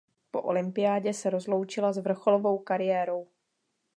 Po olympiádě se rozloučila s vrcholovou kariérou.